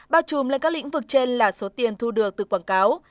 bao trùm lên các lĩnh vực trên là số tiền thu được từ quảng cáo